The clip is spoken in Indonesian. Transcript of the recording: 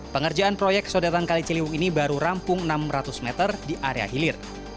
pengerjaan proyek sodetan kali ciliwung ini baru rampung enam ratus meter di area hilir